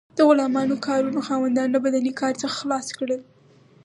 د غلامانو کارونو خاوندان له بدني کار څخه خلاص کړل.